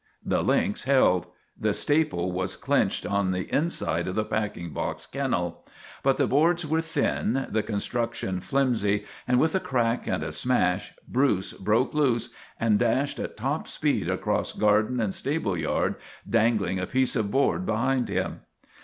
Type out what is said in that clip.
The links held; the staple was clinched on the inside of the packing box kennel; but the boards were thin, the construction flimsy, and with a crack and a smash Bruce broke loose and dashed at top speed across garden and stable yard, dangling a piece of board behind him.